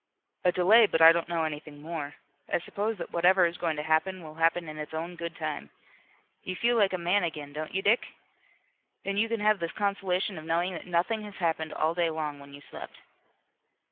"A delay, but I don't know anything more. I suppose that whatever is going to happen will happen in its own good time. You feel like a man again, don't you Dick? And you can have the consolation of knowing that nothing has happened all day long when you slept."